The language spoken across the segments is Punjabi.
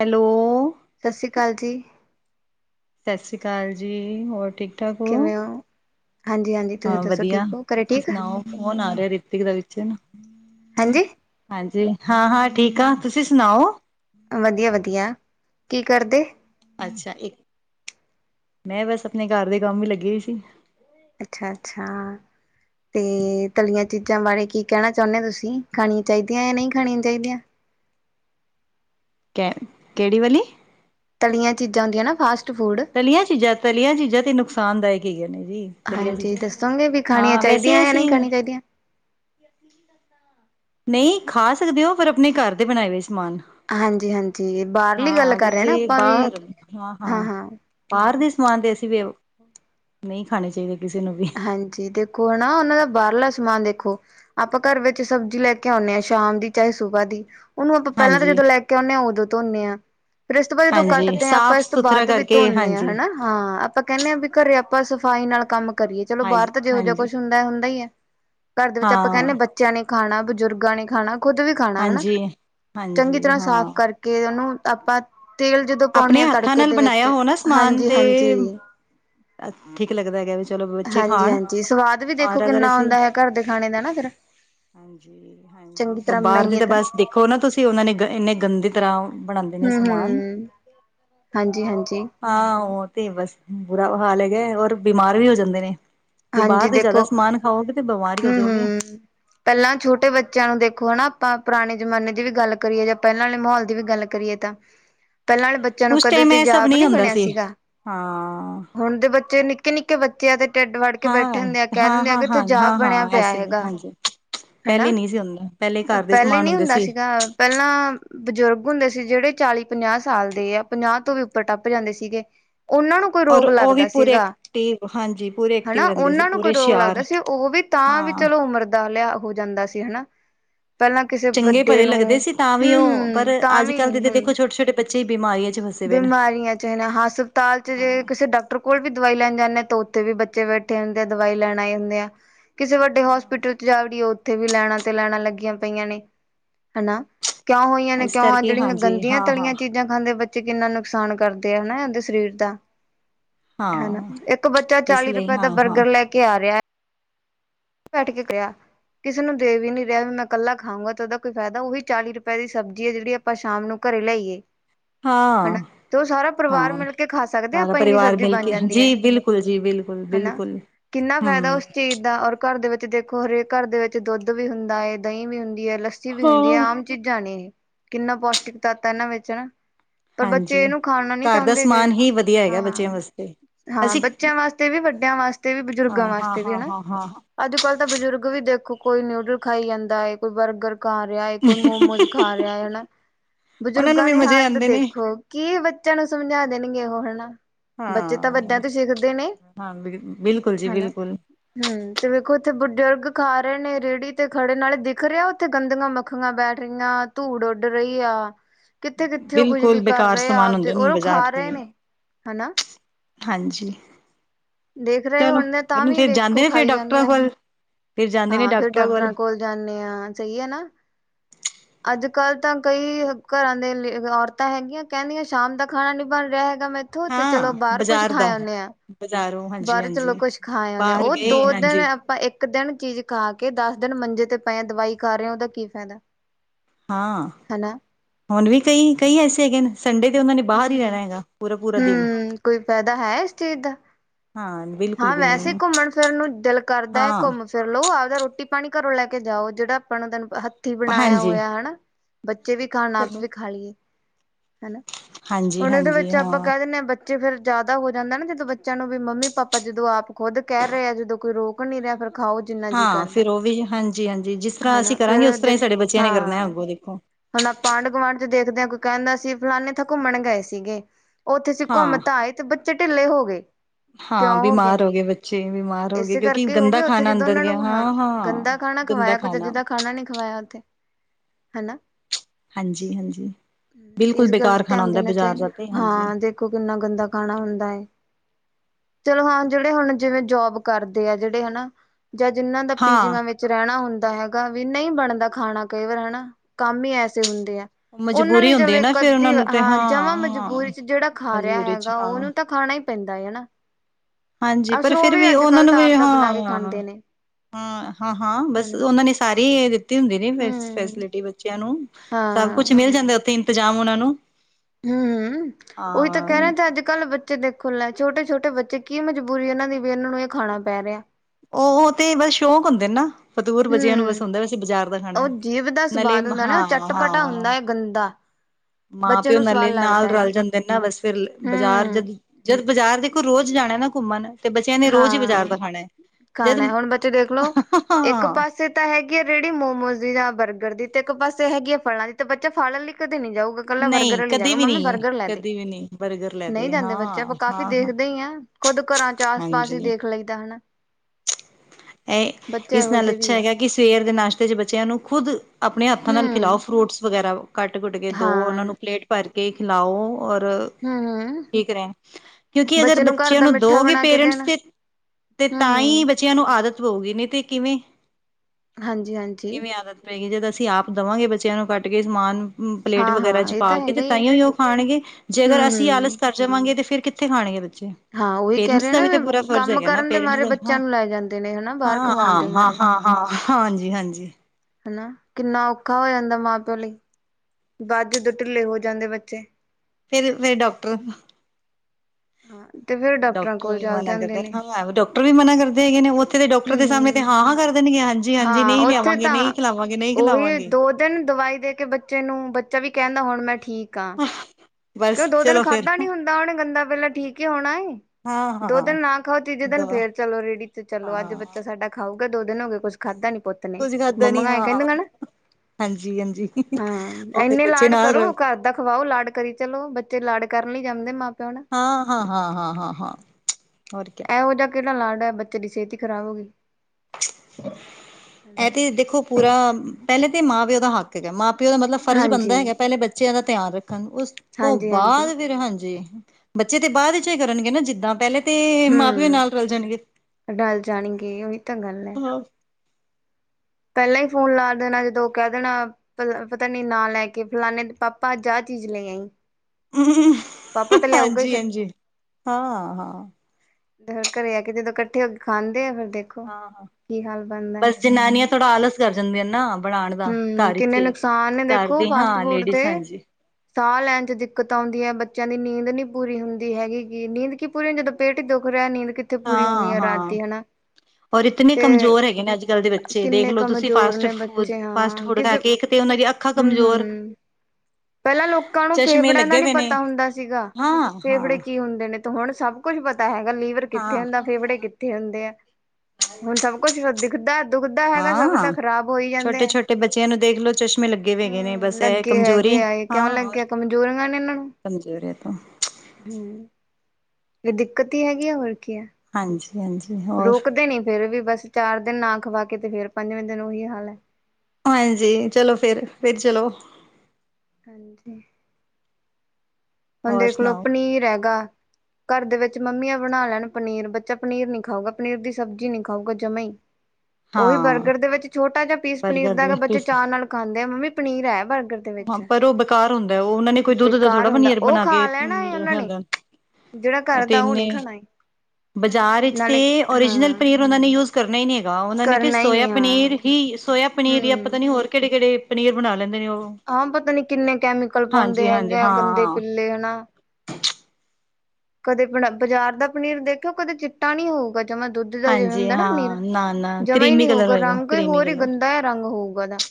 ਹੈਲੋ ਸਤਿ ਸ਼੍ਰੀ ਅਕਾਲ ਜੀ ਸਤਿ ਸ਼੍ਰੀ ਅਕਾਲ ਜੀ ਹੋਰ ਠੀਕ ਠੀ- ਠਾਕ ਹੋ, ਹਾਂਜੀ ਹਾਂਜੀ ਤੁਸੀਂ ਹਾਂ ਦੱਸੋ ਵਧੀਆ ਠੀਕ ਹੋ ਘਰੇ ਤੁਸੀਂ ਠੀਕ ਸੁਣਾਓ? ਫੋਨ ਆ ਰਿਹਾ, ਰਿਤਿਕ ਦਾ ਵਿੱਚ, ਹਾਂਜੀ ਹਾਂਜੀ, ਹਾਂ -ਹਾਂ ਠੀਕ ਆ, ਤੁਸੀਂ ਸੁਣਾਓ? ਵਧੀਆ -ਵਧੀਆ ਕੀ ਕਰਦੇ? ਅੱਛਾ, ਇੱਕ ਮੈਂ ਬਸ ਆਪਣੇ ਘਰ ਦੇ ਕੰਮ, ਹੀ ਲੱਗੀ ਹੋਈ ਸੀ। ਅੱਛਾ -ਅੱਛਾ ਤੇ ਤਲੀਆਂ ਚੀਜ਼ਾਂ ਬਾਰੇ, ਕੀ ਕਹਿਣਾ ਚਾਹੁੰਦੇ ਤੁਸੀਂ, ਖਾਣੀਆਂ ਚਾਹੀਦੀਆਂ, ਜਾਂ ਨਹੀਂ ਖਾਣੀਆਂ ਚਾਹੀਦੀਆਂ ਕੈਂ, ਕਿਹੜੀ ਵਾਲੀ ਤਲੀਆਂ ਚੀਜ਼ਾਂ, ਹੁੰਦੀਆਂ ਨਾ ਫਾਸਟ -ਫੂਡ ਤਲੀਆਂ ਚੀਜ਼ਾਂ -ਤਲੀਆਂ ਚੀਜ਼ਾਂ ਤੇ ਨੁਕਸਾਨਦਾਇਕ, ਹੈਗੀਆਂ ਨੇ ਜੀ ਟਰੇਨ ਦੇ ਹਾਂਜੀ ਵਿੱਚ, ਦੱਸੋਗੇ ਵੀ ਖਾਣੀਆਂ ਹਾਂ ਵੈਸੇ ਚਾਹੀਦੀਆਂ ਜਾਂ ਨਹੀਂ ਐਸੀ ਖਾਣੀਆਂ ਚਾਹੀਦੀਆਂ ਨਹੀਂ, ਖਾ ਸਕਦੇ ਹੋ ਪਰ, ਆਪਣੇ ਘਰ ਦੇ ਬਣਾਏ ਹੋਏ ਸਮਾਨ ਹਾਂਜੀ ਹਾਂਜੀ ਬਾਹਰਲੀ ਗੱਲ ਹਾਂ, ਕਰ ਅਗਰ ਰਹੇ ਨਾ ਜੇ ਆਪਾਂ ਵੀ ਬਾਹਰ ਹਾਂ ਹਾਂ-ਹਾਂ ਹਾਂ ਬਾਹਰ ਦੇ ਸਮਾਨ ਦੇ, ਅਸੀਂ ਵੀ, ਨਹੀਂ ਖਾਣੇ ਚਾਹੀਦੇ ਕਿਸੇ ਨੂੰ ਵੀ ਹਾਂਜੀ, ਦੇਖੋ ਨਾ ਉਹਨਾਂ ਦਾ, ਬਾਹਰਲਾ ਸਮਾਨ ਦੇਖੋ ਆਪਾਂ ਘਰ ਵਿੱਚ, ਸਬਜ਼ੀ ਲੈ ਕੇ ਆਉਂਦੇ ਹਾਂ ਸ਼ਾਮ, ਦੀ ਚਾਹੇ ਸੁਬਾਹ ਦੀ ਉਹਨੂੰ ਆਪਾ, ਪਹਿਲਾਂ ਤਾਂ ਹਾਂਜੀ ਜਦੋਂ ਲੈ ਕੇ ਆਉਂਦੇ ਆ, ਉਦੋਂ ਧੋੋਂਣੇ ਆ ਫਿਰ ਇਸ ਤੋਂ ਬਾਅਦ, ਜਦੋਂ ਹਾਂਜੀ ਕੱਟਦੇ ਹਾਂ ਆਪਾਂ ਸਾਫ ਇਸ ਤੋਂ ਸੁਥਰਾ ਬਾਅਦ ਵੀ ਕਰਕੇ ਧੋਣੇ ਆ ਹਾਂਜੀ ਹਨਾ ਹਾਂ, ਆਪਾਂ ਕਹਿੰਦੇ ਹਾਂ ਵੀ ਘਰੇ ਆਪਾਂ, ਸਫ਼ਾਈ ਨਾਲ ਕੰਮ ਕਰੀਏ ਚਲੋ ਹਾਂ ਬਾਹਰ ਤਾਂ, ਜਿਹੋ -ਜਿਹਾ ਹਾਂਜੀ ਕੁਛ ਹੁੰਦਾ- ਹੁੰਦਾ ਹੀ ਹੈ ਘਰ ਦੇ ਵਿੱਚ ਆਪਾਂ ਹਾਂ ਕਹਿਣੇ ਬੱਚ ਬੱਚਿਆਂ ਨੇ ਖਾਣਾ, ਬਜ਼ੁਰਗਾਂ ਨੇ ਖਾਣਾ, ਖੁੱਦ ਵੀ ਖਾਣਾ, ਹਨਾ ਹਾਂਜੀ ਚੰਗੀ ਹਾਂਜੀ ਤਰ੍ਹਾਂ ਸਾਫ਼ ਹਾਂ ਕਰਕੇ ਕੇ ਉਹਨੂੰ, ਆਪਾਂ ਤੇਲ ਜਦੋਂ ਪਾਉਨੇ ਆਪਣੇ ਆ ਹੱਥਾਂ ਤੜਕੇ ਨਾਲ ਦੇ ਵਿੱਚ ਬਣਾਇਆ ਹੋ ਨਾ ਹਾਂਜੀ--ਹਾਂਜੀ ਅੱਜ ਠੀਕ, ਲੱਗਦਾ ਹੈਗਾ ਏਦੇ ਵਿੱਚ ਹਾਂਜੀ -ਹਾਂਜੀ ਸਵਾਦ ਵੀ ਦੇਖੋ, ਅਗਰ ਕਿੰਨਾ ਅਸੀਂ ਆਉਂਦਾ ਹੈ ਘਰ ਦੇ ਖਾਣੇ ਦਾ ਨਾ ਫਿਰ ਹਾਂਜੀ -ਹਾਂਜੀ ਚੰਗੀ ਤਰ੍ਹਾਂ ਬਾਹਰ ਦੀ ਬਣਾਈਏ ਤਾਂ ਬਸ ਦੇਖੋ ਨਾ, ਤੁਸੀਂ ਉਹਨਾ ਨੇ ਇੰਨੇ ਗੰਦੀ ਤਰ੍ਹਾਂ ਬਣਾਉਂਦੇ ਨੇ ਹਮ ਸਮਾਨ -ਹਮ ਹਾਂਜੀ -ਹਾਂਜੀ ਹਾਂ ਉਹ ਤੇ, ਬਸ ਬੁਰਾ ਹਾਲ ਹੈਗਾ, ਔਰ ਬਿਮਾਰ ਵੀ ਹੋ ਜਾਂਦੇ ਨੇ ਜੇ ਹਾਂਜੀ ਬਾਹਰ ਦੇ, ਜ਼ਿਆਦਾ ਦੇਖੋ ਸਮਾਨ ਖਾਓਗੇ ਤੇ, ਬਿਮਾਰ ਹੀ ਹੋ ਹੂੰ ਹੂੰ ਜਾਓਗੇ ਪਹਿਲਾਂ ਛੋਟੇ ਬੱਚਿਆਂ ਨੂੰ ਦੇਖੋ ਹਨਾ, ਆਪਾਂ ਪੁਰਾਣੇ ਜਮਾਨੇ ਦੀ ਵੀ ਗੱਲ ਕਰੀਏ ਜਾਂ, ਪਹਿਲਾਂ ਵਾਲੇ ਮਾਹੌਲ ਦੀ, ਵੀ ਗੱਲ ਕਰੀਏ ਤਾਂ ਪਹਿਲੇ ਵਾਲੇ ਬੱਚਿਆਂ ਨੂੰ, ਉਸ ਕਦੇ ਟਾਈਮ ਤੇ ਇਹ ਸਭ ਤੇਜ਼ਾਬ ਨਹੀਂ ਨਈ ਹੁੰਦਾ ਬਣਿਆ ਸੀ ਸੀਗਾ ਹਾਂ ਹੁਣ ਦੇ ਬੱਚੇ, ਨਿੱਕੇ- ਨਿੱਕੇ ਬੱਚੇ ਆ ਤੇ ਟਿੱਡ ਵ ਕੇ ਹਾਂ, ਬੈਠਣ ਦੇ ਆ ਕਹਿ ਹਾਂ, ਦਿੰਦੇ, ਆ ਹਾਂ, ਕਿ ਹਾਂ, ਤੇਜਾਬ ਹਾਂ, ਬਣਿਆ ਹਾਂ ਪਿਆ ਐਸਿਡ ਹੈਗਾ ਹਾਂਜੀ। ਹਨਾ, ਪਹਿਲੇ ਨਹੀਂ ਸੀ ਹੁੰਦਾ, ਪਹਿਲੇ ਘਰ ਦੇ ਪਹਿਲੇ ਸਮਾਨ ਨਹੀ ਹੁੰਦੇ ਹੁੰਦਾ ਸੀ। ਸੀਗਾ, ਪਹਿਲਾਂ ਬਜ਼ੁਰਗ ਹੁੰਦੇ ਸੀ। ਜਿਹੜੇ ਚਾਲੀ- ਪੰਜਾਹ ਸਾਲ ਦੇ ਆ ਪੰਜਾਹ, ਤੋਂ ਵੀ ਉੱਪਰ ਟੱਪ ਜਾਂਦੇ ਸੀਗੇ ਉਹਨਾਂ ਨੂੰ, ਕੋਈ ਔਰ ਰੋਗ ਉਹ ਵੀ ਲੱਗਦਾ ਪੂਰੇ ਸੀਗਾ। ਐਕਟਿਵ ਹਾਂਜੀ, ਪੂਰੇ ਐਕਟਿਵ ਹਨਾ ਰਹਿੰਦੇ ਸੀ, ਉਹਨਾਂ ਨੂੰ, ਪੂਰੇ ਕੋਈ ਰੋਗ ਹੁਸ਼ਿਆਰ ਲੱਗਦਾ ਸੀ ਉਹ ਵੀ ਤਾਂ ਵੀ ਹਾਂ। ਚਲੋ, ਉਮਰ ਦਾ ਲਿਆ ਹੋ ਜਾਂਦਾ ਸੀ। ਹਨਾ। ਪਹਿਲਾਂ ਕਿਸੇ ਚੰਗੇ ਵੱਡੇ ਭਲੇ ਨੂੰ ਲੱਗਦੇ ਸੀ। ਤਾਂ ਵੀ ਉਹ ਪਰ ਹੂੰ-ਹੂੰ ਤਾਂ ਅੱਜ- ਵੀ ਕੱਲ੍ਹ ਦੇ ਤੇ ਹੂੰ ਦੇਖੋ ਛੋਟੇ -ਛੋਟੇ ਬੱਚੇ ਹੀ, ਬਿਮਾਰੀਆਂ ਚ ਫਸੇ ਪਏ ਨੇ। ਬਿਮਾਰੀਆਂ ਚ ਹਨਾ, ਨਾ ਹਸਪਤਾਲ ਚ ਜੇ ਹਾਂ, ਕਿਸੇ ਡਾਕਟਰ ਕੋਲ ਵੀ, ਦਵਾਈ ਲੈਣ ਜਾਂਦੇ, ਤਾਂ ਉੱਥੇ ਵੀ ਬੱਚੇ ਬੈ ਕਹਿਦੇ, ਦਵਾਈ ਲੈਣ ਆਏ ਹੁੰਦੇ ਆ ਕਿਸੇ ਵੱਡੇ, ਹੋਸਪਿਟਲ ਹਾਂ ਚ ਜਾਵੜੀਏ, ਉੱਥੇ ਵੀ ਲੈਣਾ ਤੇ ਲੈਣਾ, ਲੱਗੀਆਂ ਪਈਆਂ ਨੇ ਹਨਾ ਕਿਉਂ ਹੋਈਆਂ ਨੇ ਇਸ ਕਿਉਂ, ਆ ਕਰਕੇ ਜਿਹੜੀਆਂ ਹਾਂਜੀ ਗੰਦੀਆਂ ਹਾਂ, ਹਾਂ, ਤਲੀਆਂ ਚੀ ਜ਼ਾਂ ਖਾਂਦੇ ਬੱਚੇ, ਕਿੰਨਾ ਨੁਕਸਾਨ ਕਰਦੇ ਆ ਹਨਾ, ਆਪ ਦੇ ਸਰੀਰ ਦਾ ਹਨਾ, ਹਾਂ। ਇੱਕ ਬੱਚਾ ਇਸ ਚਾਲੀ ਲਈ ਰੁਪਏ ਹਾਂ, ਦਾ, ਹਾਂ, ਬਰਗਰ ਲੈ ਕੇ ਆ ਰਿਹਾ ਬੈਠ ਕੇ ਕੈਆ ਕਿਸੇ ਨੂੰ ਦੇ ਵੀ ਨੀ ਰੈਯਾ ਵੀ ਮੈਂ ਕੱਲਾ ਖਾਊਗਾ ਤੇ ਓਦਾ ਕੋਈ ਫੈਦਾ ਓਵੀ ਚਾਲੀ ਰੁਪਏ ਦੀ ਸਬਜ਼ੀ ਐ ਜੇੜੀ ਆ ਆਪਾਂ ਸ਼ਾਮ ਨੂੰ ਕਰੇ ਲਾਈਏ ਹੈਨਾ ਹਾਂ, ਤੋ ਓ ਸਾਰਾ ਪਰਿਵਾਰ ਹਾਂ। ਮਿਲ ਕੇ ਖਾ ਸਕਦੇ ਆ ਸਾਰਾ ਆਪਾਂ ਏਨੀ ਪਰਿਵਾਰ ਸਬਜ਼ੀ ਮਿਲ ਬਣ ਕੇ ਜਾਂਦੀ ਐ। ਜੀ ਬਿਲਕੁਲ ਜੀ ਬਿਲਕੁਲ-ਬਿਲਕੁਲ। ਕਿੰਨਾ ਫੈਦਾ ਉਸ ਚੀਜ਼ ਦਾ ਔਰ ਕੱਰ ਦੇ ਵਿੱਚ ਦੇਖੋ ਹਰੇਕ ਕੱਰ ਦੇ ਵਿੱਚ ਦੁੱਧ ਵੀ ਹੁੰਦਾ ਐ, ਦਹੀਂ ਵੀ ਹੁੰਦੀ ਏ, ਲੱਸੀ ਵੀ ਹੁੰਦੀ ਏ ਹਾਂ, ਆਮ ਚੀਜ਼ਾਂ ਨੇ ਕਿੰਨਾ ਪੌਸ਼ਟਿਕ ਤੱਤ ਏਨਾਂ ਵਿੱਚ ਨਾ ਹੈਨਾ ਪਰ ਬੱਚੇ ਹਾਂਜੀ ਇਨੂੰ ਖਾਣਾ ਨੀ ਘਰ ਦਾ ਚਾਹੁੰਦੇ ਹੈਗੇ ਸਮਾਨ ਹੀ ਵਧੀਆ ਹਾਂ। ਹੈਗਾ ਬੱਚਿਆਂ ਵਾਸਤੇ ਹਾਂ ਅਸੀਂ ਬੱਚਿਆਂ ਵਾਸਤੇ ਵੀ, ਵੱਡਿਆਂ ਵਾਸਤੇ ਵੀ, ਹਾਂ ਬਜ਼ੁਰਗਾਂ ਹਾਂ ਵਾਸਤੇ ਵੀ ਹਾਂ ਹਨਾ। ਹਾਂ ਹਾਂ ਅੱਜ-ਕੱਲ ਤਾਂ ਬਜ਼ੁਰਗ ਵੀ ਦੇਖੋ ਕੋਈ ਨਿਊਡਲ ਖਾਈ ਜਾਂਦਾ ਐ ਕੋਈ ਬਰਗਰ ਖਾ ਰੈਯਾ ਏ ਕੋਈ ਮੋਮੋਸ ਖਾ ਰੈਯਾ ਏ ਹੈਨਾ ਉਹਨਾਂ ਨੂੰ ਬਜ਼ੁਰਗਾਂ ਵੀ ਦੇ ਮਜ਼ੇ ਹਾਲਤ ਆਉਂਦੇ ਨੇ ਦੇਖੋ ਕੀ ਬੱਚਿਆਂ ਨੂੰ ਸਮਝਾ ਦੇਣਗੇ ਓ ਹੈਨਾ। ਬੱਚੇ ਤਾਂ ਹਾਂ ਵੱਡਿਆਂ ਤੋਂ ਸਿੱਖਦੇ ਨੇ, ਹਾਂ ਬਿਲ ਬਿਲਕੁਲ ਜੀ ਹੈਨਾ ਬਿਲਕੁਲ ਹੂੰ। ਤੇ ਵੇਖੋ ਓਥੇ ਬੁਜ਼ੁਰਗ ਖਾ ਰਹੇ ਨੇ ਰੇੜੀ ਤੇ ਖੜੇ ਨਾਲੇ ਦਿਖ ਰੈਯਾ ਓਥੇ ਗੰਦਆਂ ਮੱਖਾਂ ਬੈਠ ਰਹੀਆਂ ਧੂੜ ਉੱਡ ਰਹੀ ਆ ਕਿੱਥੇ-ਕਿੱਥੇ ਓ ਖੁਜਲੀ ਬਿਲਕੁਲ ਕਰ ਬੇਕਾਰ ਰਹੇ ਆ ਸਮਾਨ ਅਪਦੇ ਹੁੰਦੇ ਔਰ ਨੇ ਓ ਖਾ ਬਾਜ਼ਾਰ ਰਹੇ ਦੇ ਨੇ ਹਨਾ। ਹਾਂਜੀ ਦੇਖ ਰਹੇ ਚਲੋ ਹੋਣ ਤਾਂ ਏਨੂੰ ਵੀ ਫਿਰ ਜਾਂਦੇ ਵੇਖੋ ਨੇ ਫਿਰ ਖਾਈ ਜਾਂਦੇ ਡਾਕਟਰਾਂ ਆ ਕੋਲ। ਫਿਰ ਜਾਂਦੇ ਨੇ ਡਾਕਟਰਾਂ ਵੱਲ ਜਾਂਨੇ ਆ ਸਈ ਏ ਨਾ ਅੱਜ-ਕੱਲ ਤਾਂ ਕਈ ਕਰਾਂ ਦੇ ਨੇ ਔਰਤਾਂ ਹੈਗੀਆਂ ਕੈਂਦੀਆ ਸ਼ਾਮ ਦਾ ਖਾਣਾ ਨੀ ਬਣ ਰਿਹਾ ਹੈਗਾ ਮੈਂ ਥੋਂ ਤੇ ਚਲੋ ਹਾਂ ਬਾਰ ਕੁੱਛ ਬਾਜ਼ਾਰ ਖਾ ਦਾ ਆਣੇ ਆ। ਬਾਜ਼ਾਰੋਂ ਹਾਂਜੀ ਬਾਰੋਂ ਚਲੋ ਹਾਂਜੀ ਕੁੱਛ ਖਾ ਆਣੇ ਬਾਹਰ ਓ ਗਏ ਦੋ ਦਿਨ ਹਾਂਜੀ ਆਪਾਂ ਏਕ ਏਕ ਦਿਨ ਚੀਜ਼ ਖਾ ਕੇ ਦਸ ਦਿਨ ਮੰਜੇ ਤੇ ਪਏ ਆ ਦਵਾਈ ਖਾ ਰਹੇ ਓਦਾ ਕੀ ਫੈਦਾ? ਹਾਂ। ਹਨਾ। ਹੁਣ ਵੀ ਕਈ-ਕਈ ਐਸੇ ਹੈਗੇ ਨੇ ਸੰਡੇ ਤੇ ਓਨਾਂ ਨੇ ਬਾਹਰ ਹੀ ਰੈਣਾ ਹੂੰ, ਹੈਗਾ ਪੂਰਾ-ਪੂਰਾ ਦਿਨ। ਹੂੰ ਕੋਈ ਫਾਇਦਾ ਹੈ ਇਸ ਚੀਜ਼ ਦਾ। ਹਾਂ। ਬਿਲਕੁਲ ਹਾਂ ਵੀ ਵੈਸੇ ਨਹੀਂ ਕੁੰਮਣ ਫਿਰਨ ਨੂੰ ਦਿਲ ਕਰਦਾ ਐ ਹਾਂ, ਕੁੰਮ ਫਿਰ ਲੋਓ ਆਪਦਾ ਰੋਟੀ-ਪਾਣੀ ਕਰੋਂ ਲੈ ਕੇ ਜਾਓ ਜਿੜਾ ਆਪ ਨੂੰ ਦਿਨ ਹੱਥੀਂ ਬਣਾਇਆ ਹਾਂਜੀ। ਹੋਯਾ ਹਨਾ ਬੱਚੇ ਵੀ ਖਾਣ ਆਪ ਵੀ ਖਾ ਲਈਏ। ਹੈਨਾ ਹਾਂਜੀ, ਹੁਣ ਏਦੇ ਹਾਂਜੀ ਵਿੱਚ ਆਪਾਂ ਹਾਂ, ਕੈ ਦਿੰਦੇ ਆ ਬੱਚੇ ਫੇਰ ਜਾਦਾ ਹੋ ਜਾਂਦੇ ਨਾ ਜਦੋਂ ਬੱਚਿਆਂ ਨੂੰ ਵੀ ਮੰਮੀ ਪਾਪਾ ਜਦੋਂ ਆਪ ਖੁਦ ਕੈ ਰਹੇ ਆ ਜਦੋਂ ਕੋਈ ਰੋਕ ਨੀ ਰੈਯਾ ਫੇਰ ਖਾਓ ਜਿੰਨਾ ਜੀਅ ਹਾਂ ਕਰਦਾ ਫਿਰ ਓਵੀ ਯਾ ਹਾਂਜੀ-ਹਾਂਜੀ ਜਿਸ ਤਰ੍ਹਾਂ ਹਨਾ ਅਸੀਂ ਕਰਾਂਗੇ ਫਿਰ ਉਸ ਦੇ ਤਰਾਂ ਈ ਸਾਡੇ ਬੱਚਿਆਂ ਨੇ ਹਾਂ ਕਰਨਾ ਅੱਗੋਂ ਦੇਖੋ ਹੁਣ ਆਪਾਂ ਆਂਡ-ਗੁਆਂਢ ਚ ਦੇਖਦਿਆਂ ਕੋਈ ਕੈਂਦਾ ਸੀ ਫਲਾਨੀ ਥਾਂ ਕੁੰਮਣ ਗਏ ਸੀਗੇ। ਓਥੇ ਅਸੀ ਕੁੰਮ ਹਾਂ, ਤਾਂ ਆਏ ਤੇ ਬੱਚੇ ਢਿੱਲੇ ਹੋ ਗਏ। ਹਾਂ ਬਿਮਾਰ ਹੋ ਗਏ ਬ ਚੇ ਬਿਮਾਰ ਹੋ ਗਏ ਇਸੇ ਕਿਉਂਕਿ ਕਰਕੇ ਹੋ ਗਏ ਗੰਦਾ ਉੱਥੇ ਖਾਣਾ ਜਦੋਂ ਅੰਦਰ ਉਹਨਾਂ ਗਿਆ ਨੂੰ ਹਾਂ ਹਾਂ-ਹਾਂ ਗੰਦਾ ਖਾਣਾ ਗੰਦਾ ਖਵਾਇਆ ਕੁਝ ਅੱਜ ਖਾਣਾ ਦਾ ਖਾਣਾ ਨੀ ਖਵਾਇਆ ਓਥੇ ਹੈਨਾ ਹਾਂਜੀ, ਹਾਂਜੀ ਬਿਲਕੁਲ ਏਸ ਗੱਲ ਦਾ ਬੇਕਾਰ ਖਾਣਾ ਧਿਆਨ ਹੁੰਦਾ ਦੇਣਾ ਬਾਜ਼ਾਰ ਚਾਈਦਾ ਐ, ਦਾ ਤੇ ਹਾਂਜੀ। ਹਾਂ ਦੇ ਦੇਖੋ ਕਿੰਨਾ ਗੰਦਾ ਖਾਣਾ ਹੁੰਦਾ ਏ, ਚਲੋ ਹਾਂ ਜੇੜੇ ਹੁਣ ਜਿਵੇਂ ਜੋਬ ਕਰਦੇ ਆ ਜੇੜੇ ਹੈਨਾ, ਜਾਂ ਜਿਨਾਂ ਦਾ ਹਾਂ, ਪੀਜ਼ੀਆਂ ਵਿੱਚ ਚ ਰੈਣਾ ਹੁੰਦਾ ਹੈਗਾ ਵੀ ਨੀ ਬਣਦਾ ਖਾਣਾ ਕਈ ਵਾਰ ਹੈਨਾ ਕੰਮ ਈ ਐਸੇ ਹੁੰਦੇ ਐ। ਓਨਾਂ ਮਜਬੂਰੀ ਲਈ ਹੁੰਦੀ ਚਲੋ ਹੈ ਨਾ ਏਕ ਫਿਰ ਅੱਧੀ ਉਹਨਾਂ ਨੂੰ ਤੇ ਹਾਂ ਜਮਾਂ ਹਾਂ। ਮਜਬੂਰੀ ਚ ਜਿੜਾ ਖਾ ਰਿਹਾ ਮਜਬੂਰੀ ਚ ਹੈਗਾ ਹਾਂ, ਓਨੂੰ ਤਾਂ ਖਾਣਾ ਈ ਪੈਂਦਾ ਐ ਅਨਾ ਹਾਂਜੀ ਪਰ ਫਿਰ ਵੀ ਉਹਨਾਂ ਨੂੰ ਤਾਂ ਵੀ ਆਪਦਾ ਬਣਾ ਹਾਂ ਕੇ ਹੂੰ ਖਾਂਦੇ ਨੇ ਹਾਂ ਹਾਂ ਬਸ ਹਨਾ ਉਹਨਾਂ ਨੇ ਸਾਰੀ ਦਿੱਤੀ ਹੁੰਦੀ ਨੇ ਫੈਸ ਹਮ ਫੈਸਿਲਿਟੀ ਬੱਚਿਆਂ ਨੂੰ ਸਭ ਕੁਛ ਹਾਂ ਮੇ ਮਿਲ ਜਾਂਦਾ ਉੱਥੇ ਇੰਤਜ਼ਾਮ ਉਹਨਾਂ ਨੂੰ ਹੂੰ ਹੂੰ ਉਹੀ ਤਾਂ ਹਾਂ ਕਹਿ ਰੇ ਤੇ ਅੱਜ ਕੱਲ੍ਹ ਬੱਚੇ ਦੇਖੋ ਲੈ ਛੋਟੇ ਛੋਟੇ ਬੱਚੇ ਕੀ ਮਜਬੂਰੀ ਇਹਨਾਂ ਦੀ ਵੀ ਇਹਨਾਂ ਨੂੰ ਇਹ ਖਾਣਾ ਪੈ ਰਿਹਾ ਉਹ ਉਹ ਤੇ ਬਸ ਸ਼ੌਕ ਹੁੰਦੇ ਨਾ ਫਤੂਰ ਬਚਿਆਂ ਨੂੰ ਹਮ ਬਸ ਹੁੰਦਾ ਵੀ ਅਸੀ ਬਾਜ਼ਾਰ ਦਾ ਖਾਣਾ ਐ ਉਹ ਜੀਭ ਦਾ ਨਾਲੇ ਸਵਾਦ ਹੁੰਦਾ ਨਾ ਉਹ ਹਾ ਚਟਪਟਾ ਹੁੰਦਾ ਅ ਹੈ ਗੰਦਾ ਮਾ ਬੱਚੇ ਪਿਓ ਨੂੰ ਸਵਾਦ ਨਾਲੇ ਨਾਲ ਲੱਗਦਾ ਏ ਰਲ ਜਾਂਦੇ ਨਾ ਬਸ ਫੇਰ ਬਾਜ਼ਾਰ ਹੂੰ ਜਦ ਜਦ ਬਜ਼ਾਰ ਦੇਖੋ ਰੋਜ਼ ਜਾਣਾ ਨਾ ਘੁੰਮਣ ਤੇ ਬੱਚਿਆਂ ਨੇ ਰੋਜ਼ ਹੀ ਬਜ਼ਾਰ ਹਾਂ ਦਾ ਖਾਣੈ ਜਦ ਖਾਣਾ ਹਾਂ ਅ ਪਾ ਤਾਂ ਹੈਗੀ ਆ ਰੇਹੜੀ ਮੋਮੋਸ ਦੀ ਜਾਂ ਬਰਗਰ ਦੀ ਤੇ ਇੱਕ ਪਾਸੇ ਹੈਗੀ ਆ ਫਲਾਂ ਦੀ ਤੇ ਬੱਚਾ ਫਲ ਲਈ ਕਦੇ ਨੀ ਜਾਊਗਾ ਇਕੱਲਾ ਨਹੀਂ ਬਰਗਰ ਲਈ ਕਦੇ ਜਾਊਗਾ ਵੀ ਮੰਮੀ ਨਹੀਂ ਬਰਗਰ ਲੈਂਦੇ ਕਦੇ ਵੀ ਨਹੀਂ ਬਰਗਰ ਨਹੀਂ ਲੈਦੇ ਜਾਂਦੇ ਬੱਚੇ ਹਾਂ, ਆਪਾਂ ਕਾਫ਼ੀ ਹਾਂ-ਹਾਂ ਦੇਖਦੇ ਹੀ ਆ ਖੁਦ ਘਰਾਂ ਚ ਆਸ ਪਾਸ ਹੀ ਹਾਂਜੀ। ਦੇਖ ਲਈਦਾ ਹਨਾ ਇਹ ਬੱਚੇ ਇਸ ਇਹੋ ਨਾਲ ਜਿਹੇ ਅੱਛਾ ਵੀ ਆ ਹੈਗਾ ਕਿ ਸਵੇਰ ਦੇ ਨਾਸ਼ਤੇ ਚ ਬੱਚਿਆਂ ਨੂੰ ਖੁਦ ਆਪਣੇ ਹੱਥਾਂ ਨਾਲ ਖਿਲਾਓ ਹੂੰ ਫਰੂਟਸ ਵਗੈਰਾ ਕੱਟ ਕੁੱਟ ਕੇ ਦੋ ਹਾਂ ਉਹਨਾਂ ਨੂੰ ਪਲੇਟ ਭਰ ਕੇ ਖਿਲਾਓ ਔਰ ਹੂੰ ਠੀਕ ਰਹਿਣ ਕਿਉਂਕਿ ਅਗਰ ਬੱਚੇ ਘਰ ਬੱਚਿਆਂ ਦਾ ਨੂੰ ਮਿੱਠਾ ਦੋਗੇ ਬਣਾ ਕੇ ਪੇਰੈਂਟਸ ਦੇਣਾ ਤੇ ਤੇ ਹੂੰ ਤਾਂ ਹੀ ਹੂੰ ਬੱਚਿਆਂ ਨੂੰ ਆਦਤ ਪਊਗੀ ਨੀ ਤੇ ਕਿਵੇਂ ਹਾਂਜੀ ਹਾਂਜੀ ਕਿਵੇਂ ਆਦਤ ਪਏਗੀ ਜੇ ਤਾਂ ਅਸੀਂ ਆਪ ਦੇਵਾਂਗੇ ਬੱਚਿਆਂ ਨੂੰ ਕੱਟ ਕੇ ਸਮਾਨ ਪਲੇਟ ਹਾਂ ਵਗੈਰਾ ਹਾਂ ਚ ਇਹ ਪਾ ਤਾਂ ਕੇ ਹੈਗਾ ਤੇ ਹੈ ਤਾਈ ਹੀ ਉਹ ਖਾਣਗੇ ਜੇ ਹੂੰ ਅਗਰ ਅਸੀਂ ਹੂੰ ਆਲਸ ਕਰ ਜਾਵਾਂਗੇ ਤੇ ਫ਼ਿਰ ਕਿੱਥੇ ਖਾਣਗੇ ਬੱਚੇ ਹਾਂ ਉਹੀ ਕਹਿ ਪੇਰੈਂਟਸ ਰਹੇ ਦਾ ਨਾ ਵੀ ਤੇ ਪੂਰਾ ਫਰਜ਼ ਕੰਮ ਹੈਗਾ ਨਾ ਕਰਨ ਦੇ ਪੇਰੈਂਟਸ ਮਾਰੇ ਦਾ ਬੱਚਿਆਂ ਹਾਂ ਨੂੰ ਲੈ ਜਾਂਦੇ ਨੇ ਹਨਾ ਬਾਹਰ ਹਾਂ ਖਵਾਉਣ ਦੇ ਹਾਂ ਮਾਰੇ ਹਾਂ ਹਾਂ ਹਾਂਜੀ ਹਾਂਜੀ। ਹਨਾ ਕਿੰਨਾ ਔਖਾ ਹੋ ਜਾਂਦਾ ਮਾਂ ਪਿਓ ਲਈ ਬਾਚ ਜਦੋਂ ਢਿੱਲੇ ਹੋ ਜਾਂਦੇ ਬੱਚੇ ਫਿਰ ਫੇਰ ਡਾਕਟਰ ਹਾਂ ਤੇ ਫੇਰ ਡਾਕਟਰਾਂ ਡਾਕਟਰ ਕੋਲ ਵੀ ਚੱਲ ਮਨਾ ਜਾਂਦੇ ਕਰਦੇ ਨੇ ਹਾਂ ਡਾਕਟਰ ਵੀ ਮਨਾ ਕਰਦੇ ਹੈਗੇ ਨੇ ਉੱਥੇ ਤੇ ਡਾਕਟਰ ਹੂੰ ਦੇ ਸਾਹਮਣੇ ਤੇ ਹੂੰ ਹਾਂ ਹਾਂ ਕਰਦੇ ਨੇਗੇ ਹਾਂਜੀ ਜੀ ਹਾਂਜੀ ਹਾਂ ਨਹੀਂ ਉੱਥੇ ਲਿਆਵਾਂਗੇ ਤਾਂ ਨਹੀਂ ਖਿਲਾਵਾਂਗੇ ਨਹੀਂ ਉਹੀ ਖਿਲਾਵਾਂਗੇ ਦੋ ਦਵਾਈ ਦੇ ਕੇ ਬੱਚੇ ਨੂੰ ਬੱਚਾ ਵੀ ਕਹਿੰਦਾ ਹੁਣ ਮੈਂ ਠੀਕ ਆ ਕਿਉ ਬਸ ਉਹ ਦੋ ਦਿਨ ਚਲੋ ਫਿਰ ਖਾਧਾ ਨੀ ਹੁੰਦਾ ਉਹਨੇ ਗੰਦਾ ਪੇਲਾ ਠੀਕ ਹੀ ਹੋਣਾ ਏ ਹਾਂ ਦੋ ਹਾਂ ਦਿਨ ਨਾ ਖਾਓ ਤੀਜੇ ਦਿਨ ਦਵਾ ਫੇਰ ਚਲੋ ਰੇਹੜੀ ਤੇ ਚਲੋ ਅੱਜ ਹਾਂ ਬੱਚਾ ਸਾਡਾ ਖਾਊਗਾ ਦੋ ਦਿਨ ਹੋ ਗਏ ਕੁੱਝ ਖਾਧਾ ਨੀ ਪੁੱਤ ਨੇ ਕੁੱਝ ਖਾਧਾ ਨੀ ਮੰਮਿਆ ਐਏ ਹਾਂ ਕਹਿੰਦੀ ਆ ਨਾ ਹਾਂਜੀ ਹਾਂਜੀ ਹਾਂ ਉਹ ਫਿਰ ਇੰਨੇ ਬੱਚੇ ਲਾਡ ਨਾਲ ਕਰੋ ਰਲ, ਘਰ ਦਾ ਖਵਾਓ ਲਾਡ ਕਰੀ ਚਲੋ ਬੱਚੇ ਲਾਡ ਕਰਨ ਲਈ ਜਾਂਦੇ ਮਾਂ ਪਿਓ ਨਾਲ ਹਾਂ ਹਾਂ ਹਾਂ ਹਾਂ ਹਾਂ ਹਾਂ ਹੋਰ ਕਿਆ ਐਹੋ ਜਿਹਾ ਕਿਹੜਾ ਲਾਡ ਆ ਬੱਚੇ ਦੀ ਸਿਹਤ ਹੀ ਖਰਾਬ ਹੋ ਗਈ। ਐਹ ਤੇ ਦੇਖੋ ਪੂਰਾ ਪਹਿਲੇ ਤੇ ਮਾਂ ਪਿਓ ਦਾ ਹੱਕ ਹੈਗਾ ਮਾਂ ਪਿਓ ਦਾ ਮਤਲਬ ਫਰਜ਼ ਹਾਂਜੀ ਬਣਦਾ ਹੈਗਾ ਪਹਿਲੇ ਬੱਚਿਆਂ ਦਾ ਧਿਆਨ ਰੱਖਣ ਉਸ ਉਸ ਤੋਂ ਹਾਂਜੀ ਹਾਂਜੀ ਬਾਅਦ ਫਿਰ ਹਾਂਜੀ ਬੱਚੇ ਤੇ ਬਾਅਦ ਚ ਕਰਨਗੇ ਨਾ ਜਿੱਦਾਂ ਪਹਿਲੇ ਤੇ ਮਾਂ ਪਿਓ ਹਮ ਨਾਲ ਰਲ ਜਾਣਗੇ। ਡਲ ਜਾਣਗੇ ਉਹੀ ਤਾਂ ਗੱਲ ਹੈ [unintelligible] ਪਹਿਲਾਂ ਹੀ ਫੋਨ ਲਾਰ ਦੇਣਾ ਜਦੋਂ ਉਹ ਕਹਿ ਦੇਣਾ ਪਲ ਪਤਾ ਨੀ ਨਾ ਲੈ ਕੇ ਫਲਾਾਨਣੇ ਪਾਪਾ ਅੱਜ ਆਹ ਚੀਜ਼ ਲੈ ਆਈ ਪਾਪਾ ਤਾਂ ਲਿਆਊਗਾ ਹੀ ਫਿਰ ਹਾਂਜੀ-ਹਾਂਜੀ, ਹਾਂ-ਹਾਂ-ਹਾ। ਫਿਰ ਘਰੇ ਆ ਕੇ ਜਦੋਂ ਇਕੱਠੇ ਹੋ ਕੇ ਖਾਂਦੇ ਆ ਫਿਰ ਦੇਖ ਹਾਂ-ਹਾਂ, ਬਸ ਜਨਾਨੀਆਂ ਥੋੜਾ ਆਲਸ ਕਰ ਜਾਂਦੀਆਂ ਨੇ ਨਾ। ਬਣਾਉਣ ਦਾ ਹੂੰ, ਘਰ ਵਿਚ ਕਿੰਨੇ ਹੀ। ਨੁਕਸਾਨ ਨੇ ਦੇਖੋ ਕਰਦੀ ਫਾਸਟ ਹਾਂ ਫੂਡ ਦੇ? ਲੇਡੀਜ਼ ਹਾਂਜੀ ਸਾਹ ਲੈਣ ਚ ਦਿੱਕਤ ਆਉਂਦੀ ਹੈ, ਬੱਚਿਆਂ ਦੀ ਨੀਂਦ ਨਹੀਂ ਪੂਰੀ ਹੁੰਦੀ ਹੈਗੀਗੀ, ਨੀਂਦ ਕੀ ਪੂਰੀ ਜਦੋਂ ਪੇਟ ਹੀ ਦੁੱਖ ਰਿਹਾ, ਨੀਂਦ ਕਿੱਥੇ ਪੂਰੀ ਹੋਣੀ ਹਾਂ ਹੈ, ਰਾਤ ਹਾਂ। ਦੀ ਹੈਨਾ। ਔਰ ਇਤਨੇ ਕਮਜ਼ੋਰ ਹੈਗੇ ਨੇ ਅੱਜ-ਕੱਲ੍ਹ ਦੇ ਬੱਚੇ, ਕਿੰਨੇ ਦੇਖਲੋ ਤੁਸੀਂ ਕਮਜ਼ੋਰ ਫਾਸਟ ਨੇ ਫੂਡ ਬੱਚੇ ਫਾਸਟ ਹਾਂ, ਫੂਡ ਖਾ ਕਿਸੇ ਕੇ ਇੱਕ ਤੇ ਉਹਨਾਂ ਦੀਆਂ ਅੱਖਾਂ ਕਮਜ਼ੋਰ। ਹੂੰ-ਹੂੰ, ਪਹਿਲਾਂ ਲੋਕਾਂ ਨੂੰ ਚਸ਼ਮੇ ਫੇਫੜਿਆਂ ਦਾ ਲੱਗੇ ਨੀ ਹੋਏ ਨੇ ਪਤਾ ਹੁੰਦਾ ਸੀਗਾ, ਹਾਂ ਹਾਂ ਫੇਫੜੇ ਕੀ ਹੁੰਦੇ ਨੇ? ਤੇ ਹੁਣ ਸਭ ਕੁੱਛ ਪਤਾ ਹੈਗਾ ਲੀਵਰ ਕਿੱਥੇ ਹਾਂ ਹੁੰਦਾ, ਫੇਫੜੇ ਕਿੱਥੇ ਹੁੰਦੇ ਆ? ਹੁਣ ਸਭ ਕੁਛ ਦਿਖਦਾ, ਦੁਖਦਾ ਹੈਗਾ ਸਭ ਤਾਂ ਹਾਂ ਖ਼ਰਾਬ ਹੋ ਹੀ ਜਾਂਦੇ ਛੋਟੇ ਆ। ਛੋਟੇ ਬੱਚਿਆਂ ਨੂੰ ਦੇਖਲੋ ਚਸ਼ਮੇ ਲੱਗੇ ਹੋ ਹੈਗੇ ਨੇ ਬਸ ਇਹ ਕਮਜ਼ੋਰੀ ਕੀ ਆਏ ਕਹਿਣ ਲੱਗੇ ਕਮਜ਼ੋੂਰੀ ਗ ਨੇ ਇਹਨਾਂ ਨੂੰ ਕਮਜੋਰੀ ਤੋਂ ਬੀ [unintelligible] ਇਹ ਦਿੱਕਤ ਹੀ ਹੈਗੀ ਆ ਹੋਰ ਕੀ ਹੈਆ? ਹਾਂਜੀ। ਹਾਂਜੀ [unintelligible] ਰੋਕਦੇ ਨੀ ਫੇਰ ਵੀ ਬਸ, ਚਾਰ ਦਿਨ ਨਾ ਖਵਾ ਕੇ ਤੇ ਫੇਰ ਪੰਜਵੇਂ ਦਿਨ ਉਹੀ ਹਾਲ ਹੈ। ਹਾਂਜੀ, ਚਲੋ ਫਿਰ-ਫਿਰ ਚਲੋ। ਹਾਂਜੀ। ਹੁਣ ਹੋਰ ਦੇਖ ਲੋਂ ਸੁਣਾਓ ਪਨੀਰ ਹੈਗਾ। ਘਰ ਦੇ ਵਿੱਚ ਮੰਮੀ ਏ ਬਣਾ ਲੈਣਾ ਪਨੀਰ ਬੱਚਾ ਪਨੀਰ ਨੀ ਖਾਊਗਾ ਪਨੀਰ ਦੀ ਸਬਜ਼ੀ ਨਹੀਂ ਖਾਊਗਾ ਜਮਾ ਹੀ। [unintelligible] ਉਹੀ ਹਾਂ ਬਰਗਰ ਦੇ ਵਿੱਚ ਛੋਟਾ ਜਿਹਾ ਪੀਸ ਪਨੀਰ ਬਰਗਰ ਦਾ, ਦੇ ਬੱਚੇ ਪੀਸ ਚਾਅ ਨਾਲ ਖਾਂਦੇ ਆ ਮੰਮੀ ਪਨੀਰ ਹੈ ਬਰਗਰ ਦੇ ਹਾਂ, ਵਿੱਚ ਪਰ ਉ ਬੇਕਾਰ ਹੁੰਦਾ ਹੈ ਉਹਨਾਂ ਨੇ ਕੋਈ ਦੁੱਧ ਦਾ ਬੇਕਾਰ ਥੋੜ੍ਹਾ ਹੁੰਦਾ ਪਨੀਰ ਉਹ ਬਣਾ ਖਾ ਕੇ ਲੈਣਾ ਏ ਉਹਨਾਂ ਰਖਿਆ ਨੇ ਹੁੰਦਾ ਜਿਹੜਾ ਘਰ ਤੇ ਦਾ ਉਹ ਇਨੇ ਨਹੀਂ ਖਾਣਾ ਏ। ਬਾਜ਼ਾਰ ਇਚ ਤੇ ਨਾਲੇ ਓਰੀਜਨਲ ਹਾਂ ਪਨੀਰ ਉਹਨਾਂ ਨੇ ਯੂਜ ਕਰਨਾ ਹੀ ਨੀ ਹੈਗਾ, ਉਹਨਾਂ ਨੇ ਤੇ ਕਰਨਾ ਹੀ ਸੋਇਆ ਨਹੀਂ ਪਨੀਰ ਹੀ, ਸੋਇਆ ਹਾਂ ਪਨੀਰ ਹੀ ਸੋਇਆ ਪਨੀਰ ਹੀ ਹੋਰ ਪਤਾ ਹੂੰ, ਨੀ ਕਿਹੜੇ-ਕਿਹੜੇ? ਪਨੀਰ ਬਣਾ ਲੈਂਦੇ ਨੇ ਉਹ। ਹਾਂ, ਪਤਾ ਨੀ ਕਿੰਨੇ ਕੈਮੀਕਲ ਪਾਉਂਦੇ ਹਾਂਜੀ-ਹਾਂਜੀ, ਹੈਗੇ ਆ ਹਾਂ। ਗੰਦੇ ਹਾਂ ਪਿੱਲੇ ਹੈਨਾ। ਕਦੇ ਬਾਜ਼ਾਰ ਦਾ ਪਨੀਰ ਦੇਖਿਓ ਕਦੇ ਚਿੱਟਾ ਨਹੀਂ ਹੋਊਗਾ ਜਮਾ ਦੁੱਧ ਦੁਧ ਦਾ ਜਿਵੇ ਹਾਂਜੀ ਹੁੰਦਾ ਨਾ ਪਨੀਰ ਹਾਂ, ਨਾ-ਨਾ ਜਮਾ ਹੀ ਕਰੀਮੀ ਨੀ ਕਲਰ ਹੋਊਗਾ ਹੋਏਗਾ, ਰੰਗ ਕਰੀਮੀ ਹੋਰ ਹੀ ਕਲਰ। ਗੰਦਾ ਈ ਰੰਗ ਹੋਊਗਾ ਉਹਦਾ।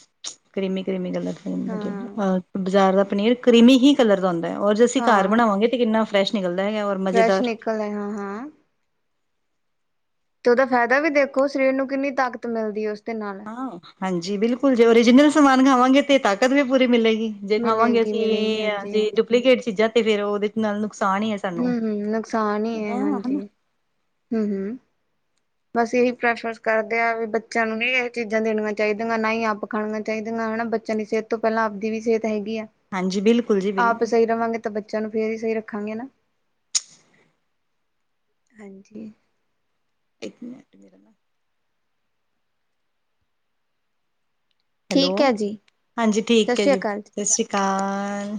ਕਰੀਮੀ-ਕਰੀਮੀ ਕਲਰ ਹੂੰ, ਹਾਂ ਬਾਜ਼ਾਰ ਦਾ ਪਨੀਰ ਕਰੀਮੀ ਹੀ ਕਲਰ ਦਾ ਹੁੰਦਾ ਹੈ। ਔਰ ਅਸੀਂ ਘਰ ਹਾਂ। ਬਣਾਵਗੇ ਕਿੰਨਾ ਵਰੈਸ਼ ਨਿਕਦਾ ਹੈਗਾ ਉ। ਫਰੈਸ਼ ਨਿਕਲ ਹੈ। ਹਾਂ-ਹਾਂ। ਤੇ ਉਹਦਾ ਫਾਇਦਾ ਵੀ ਦੇਖੋ ਸਰੀਰ ਨੂੰ ਕਿੰਨੀ ਤਾਕਤ ਮਿਲਦੀ ਉਸਦੇ ਨਾਲ। ਹਾ-ਹਾਂਜੀ, ਬਿਲਕੁਲ ਜੇ ਓਰੀਜਨਲ ਸਮਾਨ ਖਾਵਾਂਗੇ ਤੇ ਤਾਕਤ ਵੀ ਪੂਰੀ ਮਿਲੇਗੀ। ਜੇ ਖਾਵਾਂਗੇ ਮਿਲੇਗੀ ਅਸੀਂ ਮਿਲੇਗੀ ਇਹ ਆ ਹਾਂਜੀ ਜੇ ਹਾਂਜੀ ਡੁਪਲੀਕੇਟ ਚੀਜ਼ਾਂ ਤੇ ਫੇਰ ਉਹਦੇ ਨਾਲ ਨੁਕਸਾਨ ਹੀ ਏ। ਹੂੰ-ਹੂੰ, ਨੁਕਸਾਨ ਹੀ ਹੈ ਹਾਂਜੀ ਹੂੰ-ਹੂੰ। ਬਸ ਇਹੀ ਪ੍ਰੈਫਰਸ ਕਰਦੇ ਆ ਵੀ ਬੱਚਿਆਂ ਨੂੰ ਨੀ ਇਹ ਚੀਜ਼ਾਂ ਦੇਣੀਆਂ ਚਾਹੀਦੀਆਂ ਨਾ ਹੀ ਆਪ ਖਾਣੀਆਂ ਚਾਹੀਦੀਆਂ ਹੈਨਾ ਬੱਚਿਆਂ ਦੀ ਸਿਹਤ ਤੋਂ ਪਹਿਲਾਂ ਆਪਦੀ ਵੀ ਸਿਹਤ ਹੈਗੀ ਆ, ਹਾਂਜੀ ਬਿਲਕੁਲ ਜੀ ਆਪ ਬਿਲਕੁਲ। ਸਹੀ ਰਵਾਂਗੇ। ਤਾਂ ਬੱਚਿਆਂ ਨੂੰ ਫੇਰ ਹੀ ਸਹੀ ਰੱਖਾਂਗੇ ਨਾ, ਹਾਂਜੀ। ਇੱਕ ਮਿਨਟ ਹੈਲੋ ਠੀਕ ਹੈ ਜੀ ਹਾਂਜੀ, ਸਤਿ ਠੀਕ ਹੈ ਸ੍ਰੀ ਜੀ, ਅਕਾਲ ਸਤਿ ਸ਼੍ਰੀ ਅਕਾਲ।